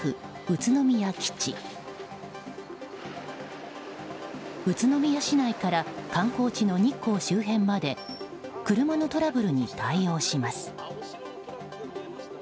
宇都宮市内から観光地の日光周辺まで車のトラブルに対応します。